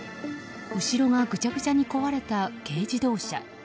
後ろがぐちゃぐちゃに壊れた軽自動車。